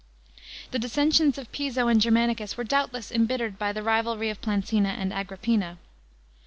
The dis ensions of Piso and Germanicus were doubtless embittered by the rivalry of Plancina and Agrippina.